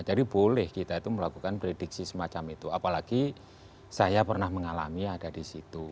jadi boleh kita itu melakukan prediksi semacam itu apalagi saya pernah mengalami ada di situ